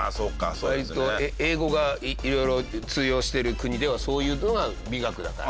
割と英語がいろいろ通用してる国ではそういうのが美学だから。